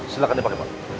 silahkan dipakai pak